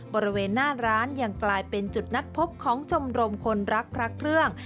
บริเวณหน้าร้านยังกลายเป็นจุดนัดพบของชมรมคนรักพระเครื่อง